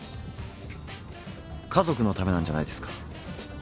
家族のためなんじゃないですか？